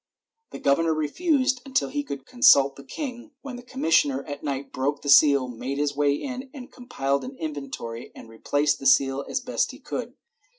The governor refused until he could consult the king, when the commissioner at night broke the seal, made his way in, compiled an inventory and replaced the seal as best he could.